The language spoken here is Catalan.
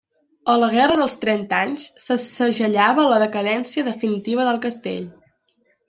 A la Guerra dels Trenta Anys se segellava la decadència definitiva del castell.